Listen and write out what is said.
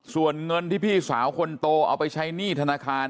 ส่วนเงินที่พี่สาวคนโตเอาไปใช้หนี้ธนาคาร